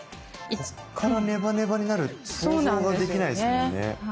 こっからネバネバになるって想像ができないですもんね。